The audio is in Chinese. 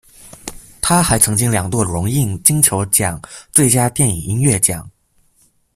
他还曾经两度荣膺金球奖最佳电影音乐奖。